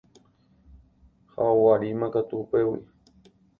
Ha oguaríma katu upégui.